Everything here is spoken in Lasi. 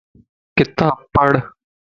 کتاب پڙھ